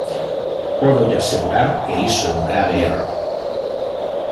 Pódolle asegurar que iso é un grave erro.